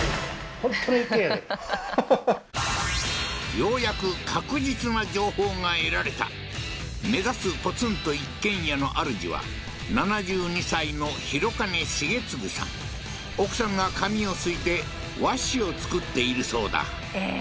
ようやく確実な情報が得られた目指すポツンと一軒家のあるじは７２歳のヒロカネシゲツグさん奥さんが紙をすいて和紙を作っているそうだええー